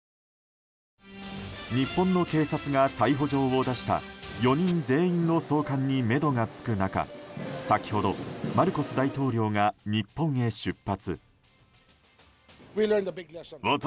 日本の警察が逮捕状を出した４人全員の送還にめどがつく中先ほどマルコス大統領が日本へ出発。